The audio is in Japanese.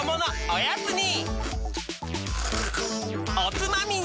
おつまみに！